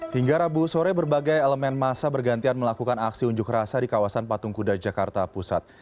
hingga rabu sore berbagai elemen masa bergantian melakukan aksi unjuk rasa di kawasan patung kuda jakarta pusat